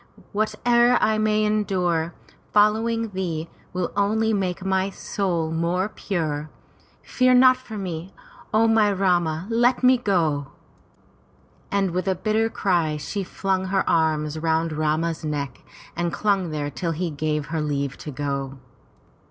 Whate'er I may endure, following thee, will only make my soul more pure. Fear not for me! O my Rama, let me go!" And with a bitter cry she flung her arms round Rama's neck and clung there till he gave her leave to go.